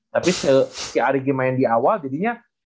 tapi sejak arigi main di awal jadinya